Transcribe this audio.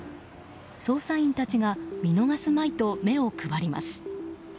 捜査員たちが見逃すまいと目を配ります。